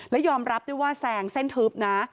และยอมรับด้วยว่าแซงเส้นทึบนะ